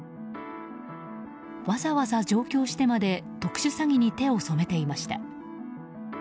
わざわざ上京してまで特殊詐欺に手を染めていました。